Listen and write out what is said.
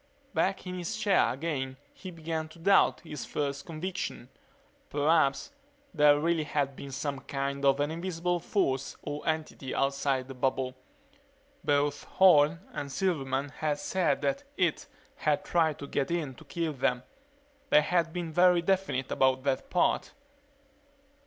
Back in his chair again he began to doubt his first conviction. Perhaps there really had been some kind of an invisible force or entity outside the bubble. Both Horne and Silverman had said that "it" had tried to get in to kill them. They had been very definite about that part.